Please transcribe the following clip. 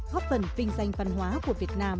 góp phần vinh danh văn hóa của việt nam